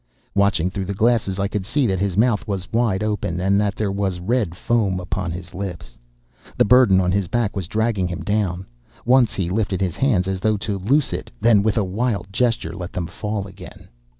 "Watching through the glasses, I could see that his mouth was wide open, and that there was red foam upon his lips. The burden on his back was dragging him down. Once he lifted his hands as though to loose it; then with a wild gesture let them fall again.